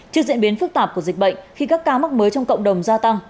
trước diễn biến phức tạp của dịch bệnh khi các ca mắc mới trong cộng đồng gia tăng